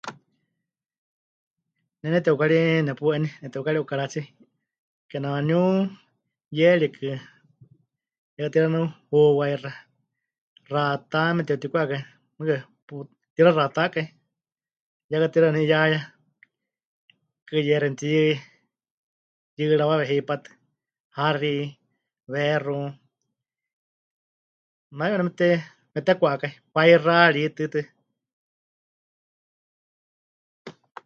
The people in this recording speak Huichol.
Ne neteukari nepu'eni, neteukari 'ukaratsi, kename waníu yeerikɨ ya katixaɨ waníu huwaíxa, xaatá mete'utikwa'átɨ mɨɨkɨ pu... pɨtixaxatákai, ya katixaɨ waníu 'iyá kɨyeéxi mɨtiyɨ... yɨɨrawawe hipátɨ, haxi, weexu, naime waníu mepɨte... mepɨtékwakai, paixaari tɨ.